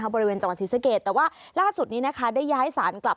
บริเวณจังหวัดศรีศักดิ์เกตแต่ว่าล่าสุดนี้ได้ย้ายสารกลับ